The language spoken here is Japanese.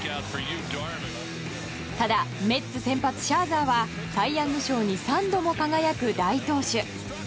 ただ、メッツ先発シャーザーはサイ・ヤング賞に３度も輝く大投手。